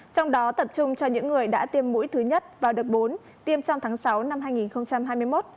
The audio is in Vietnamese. trong đó tập trung cho những người đã tiêm mũi thứ nhất vào đợt bốn tiêm trong tháng sáu năm hai nghìn hai mươi một